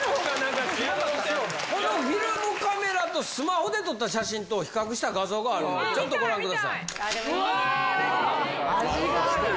このフィルムカメラと、スマホで撮った写真と比較した画像があるんで、ちょっとご覧くだ味がある。